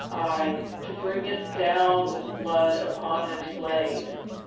Ay, to bring it down with blood upon its blade.